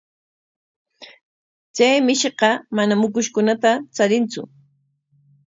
Chay mishiqa manam ukushkunata charintsu.